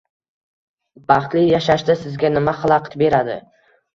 Baxtli yashashda sizga nima xalaqit beradi?